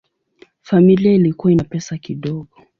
Familia ilikuwa ina pesa kidogo.